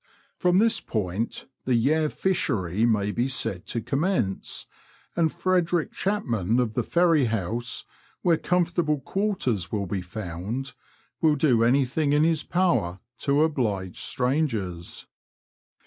From this point the Yare fishery may be said to commence, and Fred. Chapman, of the Ferry House, where comfortable quarters will be found, will do anything in his power to oblige strangers.